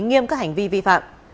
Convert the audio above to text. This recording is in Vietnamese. nghiêm các hành vi vi phạm